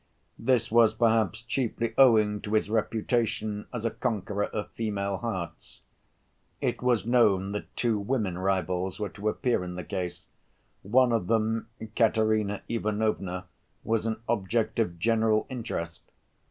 This was perhaps chiefly owing to his reputation as a conqueror of female hearts. It was known that two women rivals were to appear in the case. One of them—Katerina Ivanovna—was an object of general interest.